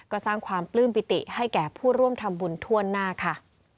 ก็สร้างความปลื้มปิติให้แก่ผู้ร่วมทำบุญทั่วหน้าค่ะ